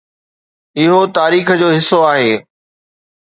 اهو تاريخ جو حصو آهي